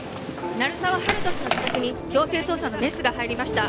・鳴沢温人氏の自宅に強制捜査のメスが入りました